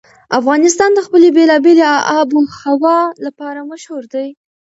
افغانستان د خپلې بېلابېلې آب وهوا لپاره مشهور دی.